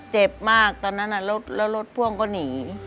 เจ็บมากตอนนั้นแล้วรถพ่วงก็หนี